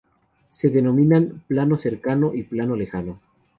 Se denominan "plano cercano" y "plano lejano.